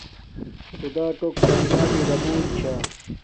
خدݳ ٹݸک کݳئنݳتݵئ دمݸن چھݳ.